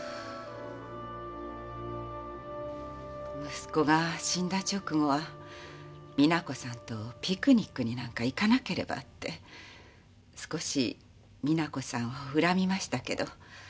息子が死んだ直後は実那子さんとピクニックになんか行かなければって少し実那子さんを恨みましたけど。